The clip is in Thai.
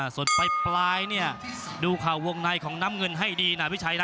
ส่วนปลายเนี่ยดูข่าววงในของน้ำเงินให้ดีนะพี่ชัยนะ